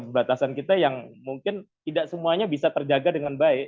batasan kita yang mungkin tidak semuanya bisa terjaga dengan baik